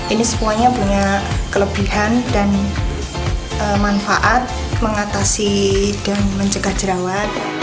ini semuanya punya kelebihan dan manfaat mengatasi dan mencegah jerawat